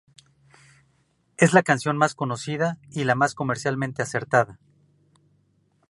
Es la canción más conocida y la más comercialmente acertada.